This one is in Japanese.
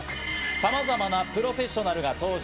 さまざまなプロフェッショナルが登場。